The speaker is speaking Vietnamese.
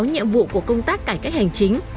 sáu nhiệm vụ của công tác cải cách hành chính